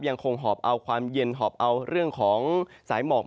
หอบเอาความเย็นหอบเอาเรื่องของสายหมอก